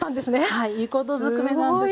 はいいいことずくめなんです。